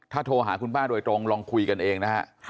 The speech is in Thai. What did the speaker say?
โทรหาคุณป้าโดยตรงลองคุยกันเองนะฮะ